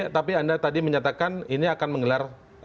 tapi anda tadi menyatakan ini akan menggelar